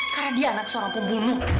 karena dia anak seorang pembunuh